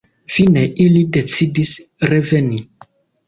Fine ili decidis reveni.